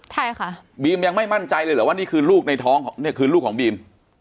ใช่ค่ะบีมยังไม่มั่นใจเลยเหรอว่านี่คือลูกในท้องของเนี่ยคือลูกของบีม